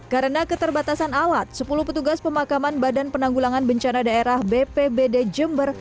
karena keterbatasan awat sepuluh petugas pemakaman badan penanggulangan bencana daerah bpbd jember